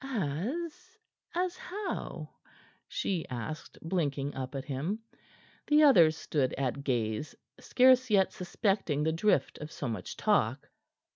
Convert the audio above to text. "As as how?" she asked, blinking up at him. The others stood at gaze, scarce yet suspecting the drift of so much talk.